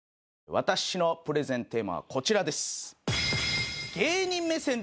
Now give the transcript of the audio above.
私のプレゼンテーマはこちらです。